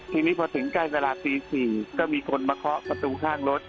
ทีนี้พอถึงใกล้เวลาตี๔ก็มีคนมาเคาะประตูข้างรถ